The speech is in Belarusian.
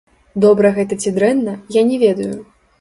Добра гэта ці дрэнна, я не ведаю.